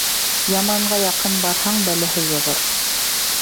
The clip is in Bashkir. Яманға яҡын барһаң, бәләһе йоғор.